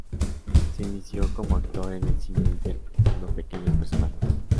Se inició como actor en el cine interpretando pequeños personajes.